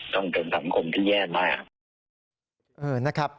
ต้องเป็นสังคมที่แย่มาก